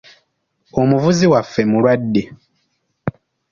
Omuvuzi waffe mulwadde.